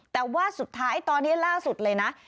แต่ว่าสุดท้ายตอนนี้ล่าสุดเลยนะ